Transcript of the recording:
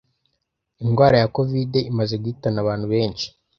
Indwara ya kovide imaze guhitana abantu benshi